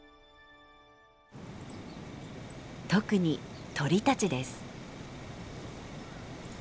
特に鳥たちです。